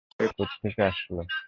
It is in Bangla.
এই পিস্তল কোত্থেকে আসলো?